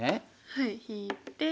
はい引いて。